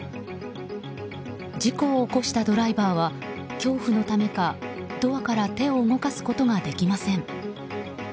事故を起こしたドライバーは恐怖のためかドアから手を動かすことができません。